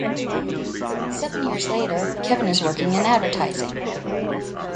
Seven years later, Kevin is working in advertising.